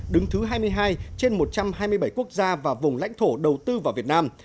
đứng thứ hai mươi hai trên một trăm hai mươi bảy quốc gia và vùng lãnh thổ đầu tư vào việt nam